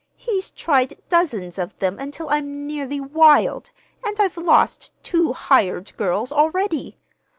He's tried dozens of them until I'm nearly wild, and I've lost two hired girls already.